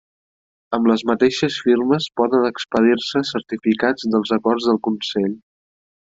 Amb les mateixes firmes poden expedir-se certificats dels acords del Consell.